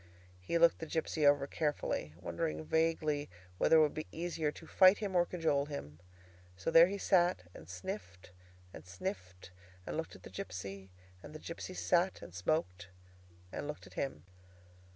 He looked the gipsy over carefully, wondering vaguely whether it would be easier to fight him or cajole him. So there he sat, and sniffed and sniffed, and looked at the gipsy; and the gipsy sat and smoked, and looked at him.